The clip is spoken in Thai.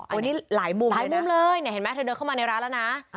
อันนี้หลายมุมหลายมุมเลยเนี่ยเห็นไหมเธอเดินเข้ามาในร้านแล้วนะ